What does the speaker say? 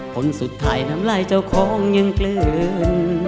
ผลสุดท้ายน้ำลายเจ้าของยังกลืน